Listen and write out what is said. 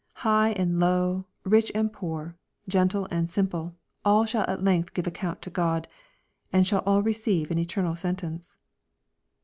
High and low, rich and poor, gentle and simple, all shall at length give account to God, and shall all receive an eternal sentence.